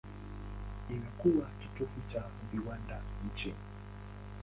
Imekuwa kitovu cha viwanda nchini.